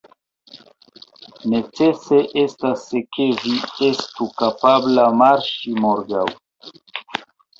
Necese estas, ke vi estu kapabla marŝi morgaŭ.